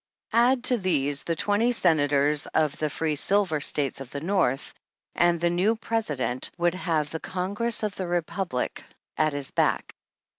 Add to these the twenty Senators of the Free Silver vStates of the North, and the new President would have the Congress of the Republic II 12 at his back.